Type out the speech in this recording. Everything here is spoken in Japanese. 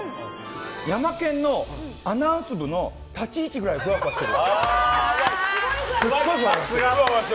ヤマケンのアナウンス部の立ち位置ぐらいふわふわしてる。